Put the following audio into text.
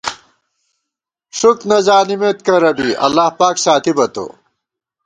ݭُک نہ زانِمېت کرہ بی ، اللہ پاک ساتِبہ تو